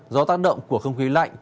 do tác động của không khí lạnh